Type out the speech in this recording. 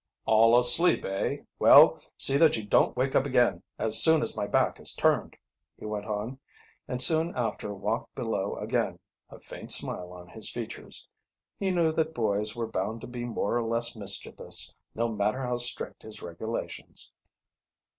"All asleep, eh? Well, see that you don't wake up again as soon as my back is turned," he went on, and soon after walked below again, a faint smile on his features. He knew that boys were bound to be more or less mischievous, no matter how strict his regulations.